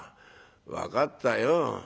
分かったよ。